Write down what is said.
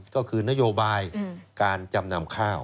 ก็คือนโยบายการจำนำข้าว